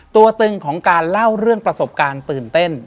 ตึงของการเล่าเรื่องประสบการณ์ตื่นเต้น